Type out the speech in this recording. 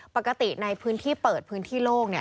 ปกติในพื้นที่เปิดพื้นที่โลก